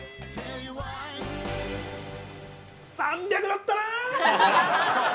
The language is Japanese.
◆３００だったなー。